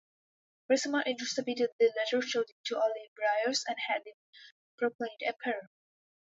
Ricimer intercepted the letter, showed it to Olybrius, and had him proclaimed Emperor.